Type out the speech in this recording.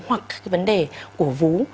hoặc vấn đề của vú